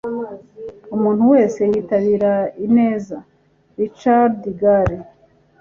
umuntu wese yitabira ineza. - richard gere